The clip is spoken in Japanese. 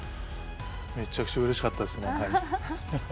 めちゃくちゃうれしかったですね、はい。